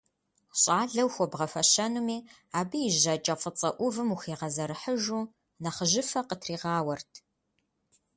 ЩӀалэу хуэбгъэфэщэнуми, абы и жьакӀэ фӀыцӀэ Ӏувым, ухигъэзэрыхьыжу, нэхъыжьыфэ къытригъауэрт.